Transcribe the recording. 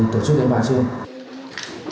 tổ chức đánh bạc